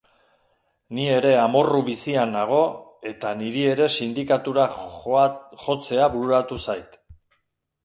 Ni ere amorru bizian nago eta niri ere sindikatura jotzea bururatu zait.